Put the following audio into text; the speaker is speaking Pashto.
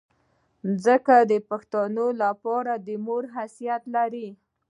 ځمکه د پښتون لپاره د مور حیثیت لري.